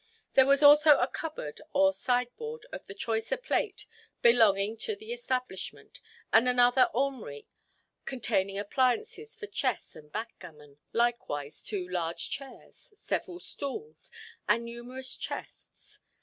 There was also a cupboard or sideboard of the choicer plate belonging to the establishment, and another awmry containing appliances for chess and backgammon, likewise two large chairs, several stools, and numerous chests.